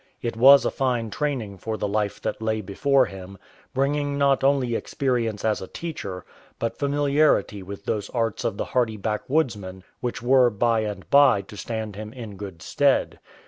It was a fine training for the life that lay before him, bringing not only experience as a teacher, but familiarity with those arts of the hardy backwoodsman which were by and by to stand him in good stead.